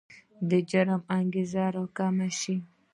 د جرم انګېزه راکمه شي.